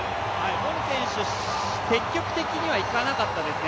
ボル選手、積極的にはいかなかったですね。